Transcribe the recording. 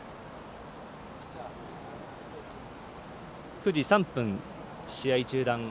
９時３分、試合中断。